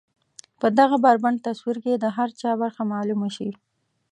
په دغه بربنډ تصوير کې د هر چا برخه معلومه شي.